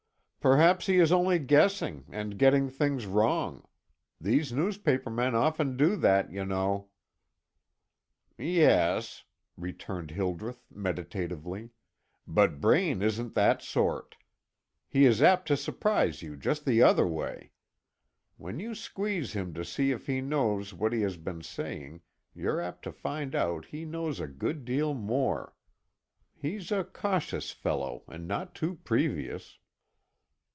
"Perhaps he is only guessing, and getting things wrong. These newspaper men often do that, you know." "Yes " returned Hildreth, meditatively, "but Braine isn't that sort. He is apt to surprise you just the other way. When you squeeze him to see if he knows what he has been saying, you're apt to find out he knows a good deal more. He's a cautious fellow, and not too previous."